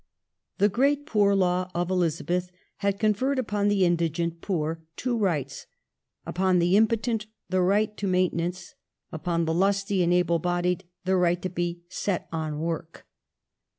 The great Poor Law of Elizabeth had confen ed upqn the indigent poor two rights : upon the impotent the right to mainten ance ; upon the lusty and able bodied the right to lie *' set •n work